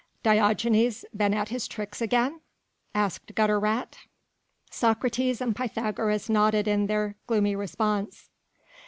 "Diogenes been at his tricks again?" asked Gutter rat. Socrates and Pythagoras nodded in their gloomy response.